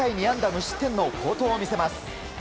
無失点の好投を見せます。